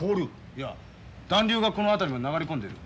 いや暖流がこの辺りまで流れ込んでる。